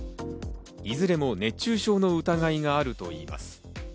いずれも熱中症の疑いがあるといいます。